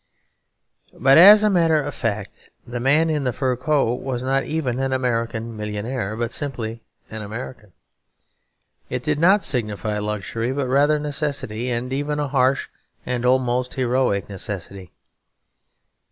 But, as a matter of fact, the man in the fur coat was not even an American millionaire, but simply an American. It did not signify luxury, but rather necessity, and even a harsh and almost heroic necessity.